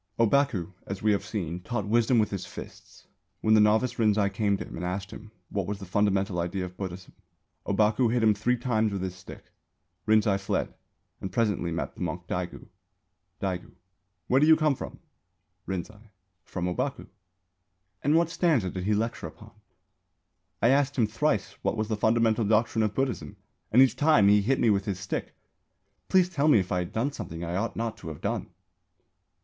Ōbaku, as we have seen, taught wisdom with his fists. When the novice Rinzai came to him and asked him what was the fundamental idea of Buddhism, Ōbaku hit him three times with his stick. Rinzai fled and presently met the monk Daigu. Daigu: Where do you come from? Rinzai: From Ōbaku. Daigu: And what stanza did he lecture upon? Rinzai: I asked him thrice what was the fundamental doctrine of Buddhism and each time he hit me with his stick. Please tell me if I did something I ought not to have done?